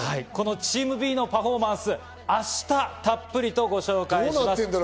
チームＢのパフォーマンス、明日たっぷりとご紹介します。